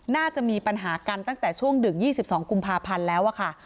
น่าจะมีปัญหากันตั้งแต่ช่วงดึก๒๒กุมภาพันธ์แล้วค่ะ